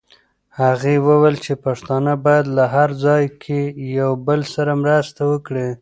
هغې وویل چې پښتانه باید هر ځای کې یو بل سره مرسته وکړي.